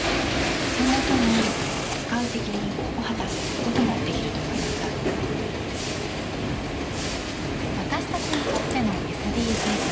そんなふうにつかう責任を果たすということも私たちにとってのＳＤＧｓ